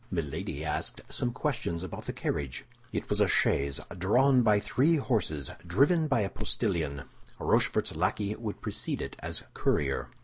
Milady asked some questions about the carriage. It was a chaise drawn by three horses, driven by a postillion; Rochefort's lackey would precede it, as courier.